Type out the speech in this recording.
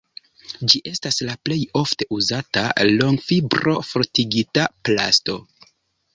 Ĝi estas la plej ofte uzata longfibro-fortigita plasto.